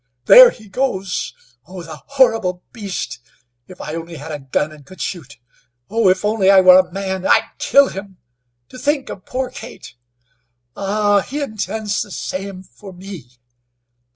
"There he goes! Oh, the horrible beast! If I only had a gun and could shoot! Oh, if only I were a man! I'd kill him. To think of poor Kate! Ah! he intends the same for me!"